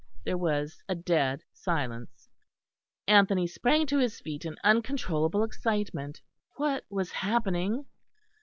There was a dead silence; Anthony sprang to his feet in uncontrollable excitement. What was happening?